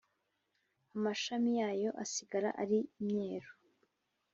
amashami yayo asigara ari imyeru!